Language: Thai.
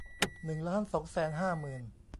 หนึ่งล้านสองแสนห้าหมื่น